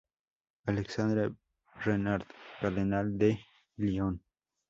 Alexandre Renard, Cardenal de Lyon.